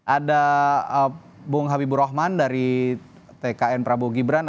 ada bung habibur rahman dari tkn prabowo gibran